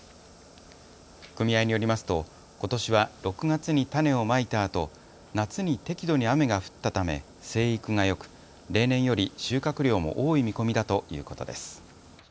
組合によりますと、ことしは６月に種をまいたあと夏に適度に雨が降ったため生育がよく例年より収穫量も多い見込みだということです。